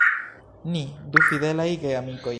Ni du fidelaj geamikoj.